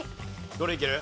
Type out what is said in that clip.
どれいける？